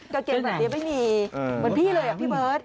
กางเกงแบบนี้ไม่มีเหมือนพี่เลยอะพี่เบิร์ต